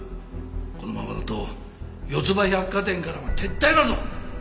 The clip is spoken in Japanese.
このままだと四つ葉百貨店からも撤退だぞ！